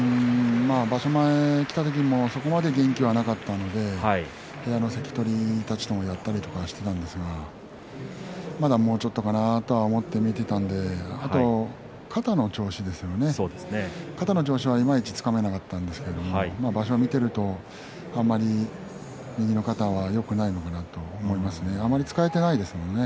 場所前見た時にもそこまで元気がなかったので部屋の関取たちともやったりしていたんですがまだもうちょっとかなと思って見ていたのであと肩の調子ですね肩の調子がいまいちつかめなかったんですけれども場所を見ているとあまり右の肩はよくないのかなと思いますね。